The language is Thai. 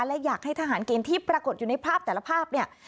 และอยากให้ทหารเกณฑ์ที่ปรากฏอยู่ในภาพแต่ละภาพเนี่ย